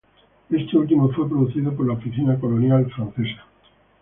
Este último fue producido por la Oficina Colonial francesa.